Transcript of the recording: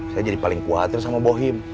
saya jadi paling kuatir sama bohim